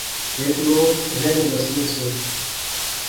ہیک لوک رہنے بسنے سے